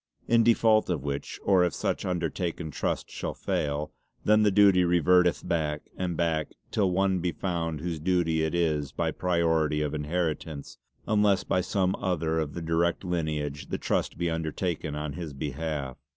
In default of which, or if such undertaken Trust shall fail, then the duty reverteth back and back till one be found whose duty it is by priority of inheritance, unless by some other of the direct lineage the Trust be undertaken on his behalf.